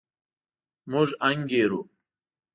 موږ انګېرو.